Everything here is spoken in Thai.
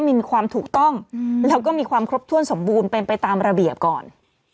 มีความถูกต้องแล้วก็มีความครบถ้วนสมบูรณ์เป็นไปตามระเบียบก่อน